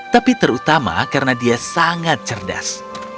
tapi terutama karena dia sangat cerdas